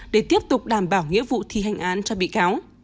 để tiếp tục đảm bảo nghĩa vụ thi hành án cho bị cáo